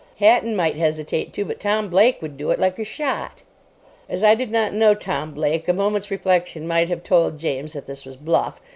"Hatton might hesitate to, but Tom Blake would do it like a shot." As I did not know Tom Blake, a moment's reflection might have told James that this was bluff.